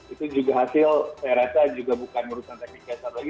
itu juga hasil saya rasa juga bukan urusan teknis dasar lagi